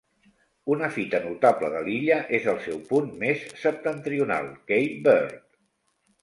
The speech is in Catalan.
Una fita notable de l'illa és el seu punt més septentrional, Cape Byrd.